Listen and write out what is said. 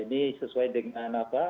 ini sesuai dengan apa